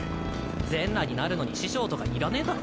全裸になるのに師匠とかいらねぇだろ。